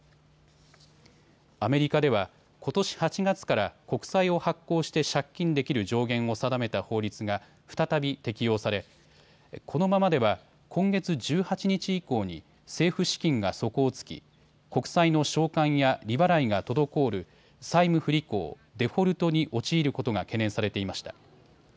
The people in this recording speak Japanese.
アメリカではことし８月から国債を発行して借金できる上限を定めた法律が再び適用されこのままでは今月１８日以降に政府資金が底をつき国債の償還や利払いが滞る債務不履行・デフォルトに陥ることが懸念されていました。